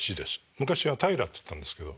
昔は平っていったんですけど。